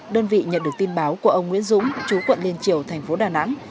đơn vị nhận được tin báo của ông nguyễn dũng chú quận liên triều thành phố đà nẵng